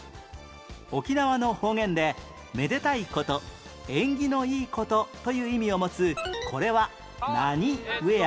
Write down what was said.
沖縄の方言で「めでたい事」「縁起のいい事」という意味を持つこれは何ウエア？